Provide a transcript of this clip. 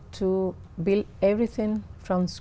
từ đây chúng tôi có